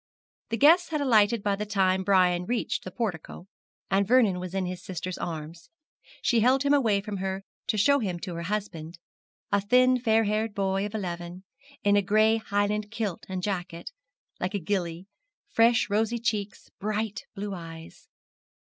The guests had alighted by the time Brian reached the portico, and Vernon was in his sister's arms. She held him away from her, to show him to her husband a thin fair haired boy of eleven, in a gray highland kilt and jacket, like a gillie fresh rosy cheeks, bright blue eyes.